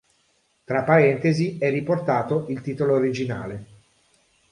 Tra parentesi è riportato il titolo originale.